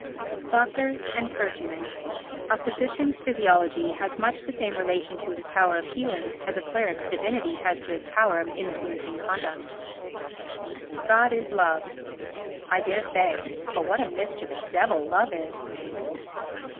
Doctors and Clergymen A physician's physiology has much the same relation to his power of healing as a cleric's divinity has to his power of influencing conduct. God is Love I dare say. But what a mischievous devil Love is!